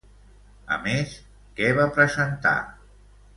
A més, què va presentar?